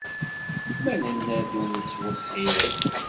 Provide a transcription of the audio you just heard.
Ma nenna-d, ur nettwexxiṛ.